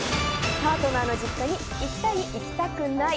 パートナーの実家に行きたい？